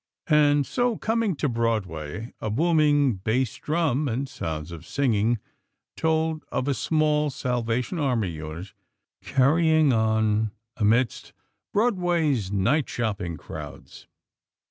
And so, coming to Broadway, a booming bass drum and sounds of singing, told of a small Salvation Army unit carrying on amidst Broadway's night shopping crowds.